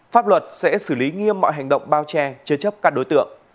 pháp luật sẽ xử lý nghiêm mọi hành động bao che chế chấp các đối tượng